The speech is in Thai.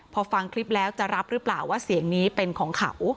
พอฟังคลิปแล้วจะรับหรือเปล่าว่าเสียงนี้เป็นของเขา